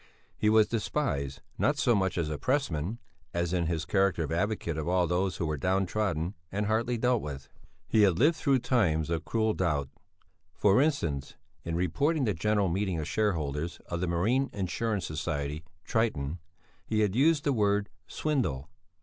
He was despised, not so much as a pressman as in his character of advocate of all those who were down trodden and hardly dealt with. He had lived through times of cruel doubt. For instance: in reporting the General Meeting of Shareholders of the Marine Insurance Society "Triton," he had used the word swindle.